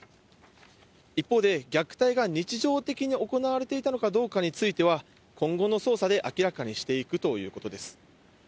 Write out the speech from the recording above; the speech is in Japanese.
一方で、虐待が日常的に行われていたのかどうかについては、今後の捜査で明らかにしていくということです。